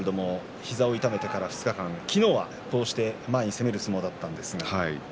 膝を痛めてから２日間昨日は前に攻める相撲でした。